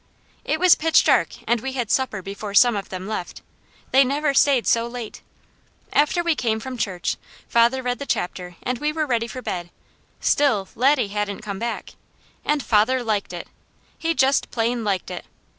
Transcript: It was pitch dark and we had supper before some of them left; they never stayed so late. After we came from church, father read the chapter and we were ready for bed; still Laddie hadn't come back. And father liked it! He just plain liked it!